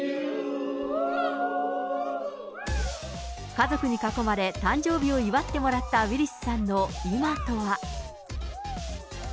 家族に囲まれ、誕生日を祝ってもらったウィリスさんの今とは。